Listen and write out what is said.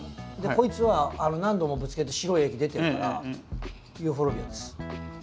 こいつは何度もぶつけて白い液出てるからユーフォルビアです。